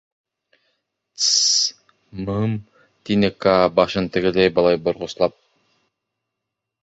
— Т-с-с, мы-ым, — тине Каа башын тегеләй-былай борғослап.